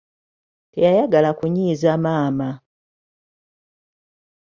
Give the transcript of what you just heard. Teyayagala kunnyiza maama.